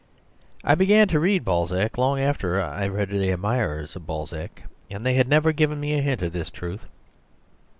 I began to read Balzac long after I had read the admirers of Balzac ; and they had never given me a hint of this truth.